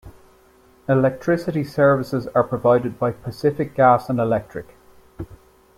Electricity services are provided by Pacific Gas and Electric.